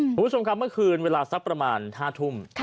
คุณผู้ชมครับเมื่อคืนเวลาสักประมาณ๕ทุ่ม